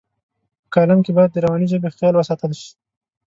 په کالم کې باید د روانې ژبې خیال وساتل شي.